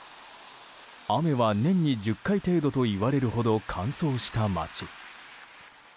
雨は年に１０回程度といわれるほど乾燥した街。